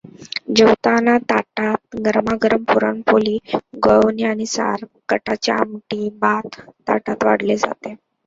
जेवताना ताटातगरमागरम पुरण पोळी गुळवणीआणि सार कटाची आमटी भात ताटात वाढले जाते.